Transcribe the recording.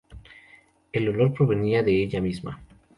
El olor provenía de ella misma.